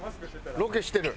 ロケしてる。